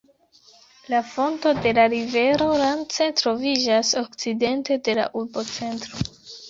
La fonto de la rivero Rance troviĝas okcidente de la urbocentro.